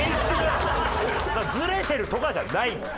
ずれてるとかじゃないんだよ。